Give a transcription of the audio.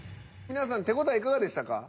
皆さん手応えいかがでしたか？